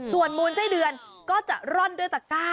ส่วนมูลไส้เดือนก็จะร่อนด้วยตะก้า